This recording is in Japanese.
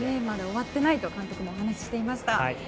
まだ終わっていないとお話ししていました。